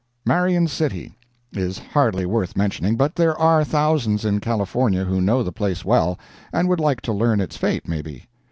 MARION CITY Is hardly worth mentioning, but there are thousands in California who know the place well, and would like to learn its fate, maybe.